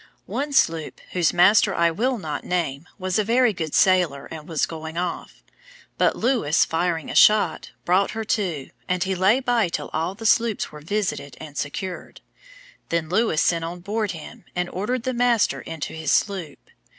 One sloop, whose master I will not name, was a very good sailer, and was going off; but Lewis firing a shot, brought her to, and he lay by till all the sloops were visited and secured. Then Lewis sent on board him, and ordered the master into his sloop.